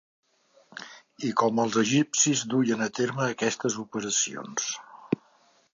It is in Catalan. I com els egipcis duien a terme aquestes operacions.